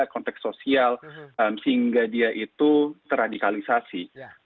konteks sosial sehingga dia itu terradikalisasi